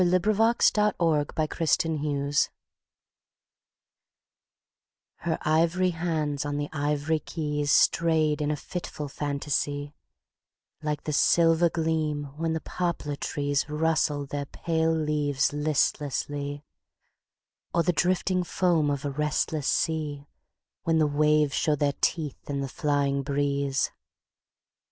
Poems. 1881. 38. In the Gold Room: a Harmony HER ivory hands on the ivory keysStrayed in a fitful fantasy, Like the silver gleam when the poplar treesRustle their pale leaves listlessly, Or the drifting foam of a restless seaWhen the waves show their teeth in the flying breeze.